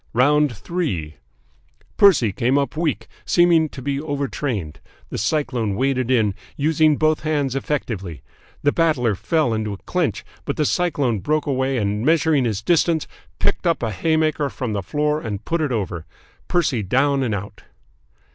"ROUND THREE "Percy came up weak, seeming to be overtrained. The Cyclone waded in, using both hands effectively. The Battler fell into a clinch, but the Cyclone broke away and, measuring his distance, picked up a haymaker from the floor and put it over. Percy down and out.